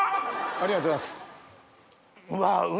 ありがとうございます。